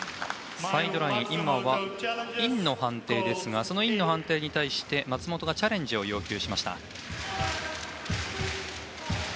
サイドラインインの判定ですがそのインの判定に対して松本がチャレンジを要求。